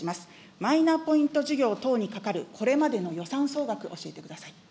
マイナポイント事業等に係るこれまでの予算総額、教えてください。